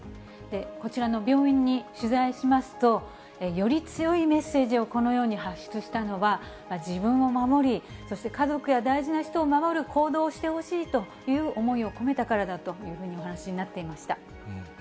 こちらの病院に取材しますと、より強いメッセージをこのように発出したのは、自分を守り、そして家族や大事な人を守る行動をしてほしいという思いを込めたからだというふうにお話になっていました。